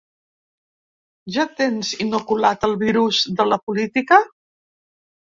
—Ja tens inoculat el virus de la política?